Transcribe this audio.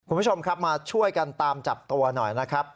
คุณผู้ชมครับมาช่วยกันตามจับตัวหน่อยนะครับ